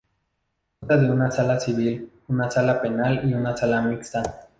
Consta de una Sala Civil, una Sala Penal y una Sala Mixta.